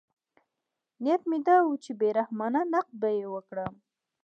نیت مې دا و چې بې رحمانه نقد به یې وکړم.